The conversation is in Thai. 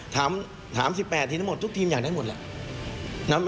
ถาม๑๘ทีมทั้งหมดทุกทีมอยากได้หมดแหละ